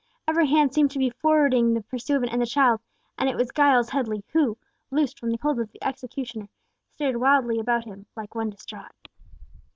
Every hand seemed to be forwarding the pursuivant and the child, and it was Giles Headley, who, loosed from the hold of the executioner, stared wildly about him, like one distraught.